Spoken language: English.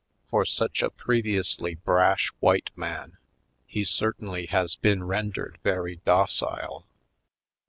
For such a previously brash white man he certainly has been rendered very docile.